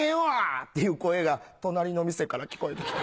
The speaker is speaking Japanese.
っていう声が隣の店から聞こえて来た。